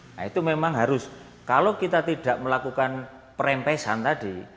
nah itu memang harus kalau kita tidak melakukan perempesan tadi